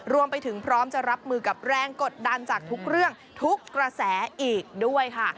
รวมไปถึงพร้อมจะรับมือกับแรงกดดันจากทุกเรื่องทุกกระแสอีกด้วยค่ะ